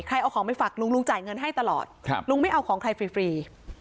เอาของไปฝากลุงลุงจ่ายเงินให้ตลอดลุงไม่เอาของใครฟรี